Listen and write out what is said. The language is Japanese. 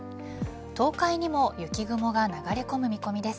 東海にも雪雲が流れ込む見込みです。